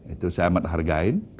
itu saya amat hargai tokoh wanita itu